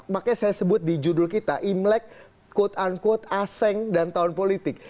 makanya saya sebut di judul kita imlek quote unquote aseng dan tahun politik